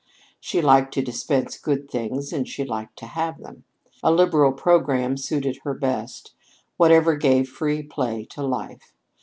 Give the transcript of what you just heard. She liked to dispense good things and she liked to have them. A liberal programme suited her best whatever gave free play to life.